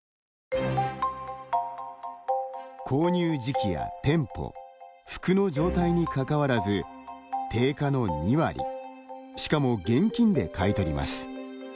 購入時期や店舗服の状態に関わらず定価の２割しかも現金で買い取ります。